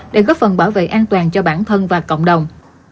để góp phần bảo vệ an toàn cho bản thân và cộng đồng